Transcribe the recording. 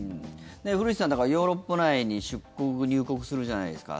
古市さんだからヨーロッパ内に出国・入国するじゃないですか。